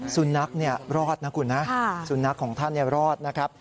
สุนัขรอดนะคุณนะสุนัขของท่านรอดนะครับ